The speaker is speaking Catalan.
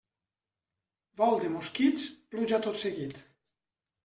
Vol de mosquits, pluja tot seguit.